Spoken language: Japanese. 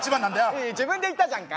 いやいや自分で言ったじゃんか。